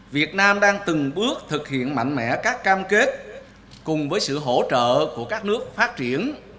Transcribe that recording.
việt nam đang từng bước thực hiện mạnh mẽ các cam kết cùng với sự hỗ trợ của các nước phát triển